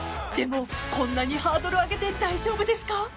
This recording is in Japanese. ［でもこんなにハードル上げて大丈夫ですか？］